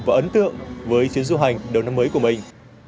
và ấn tượng với chuyến du hành đầu năm mới của mình